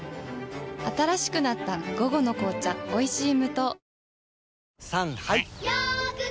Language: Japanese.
新しくなった「午後の紅茶おいしい無糖」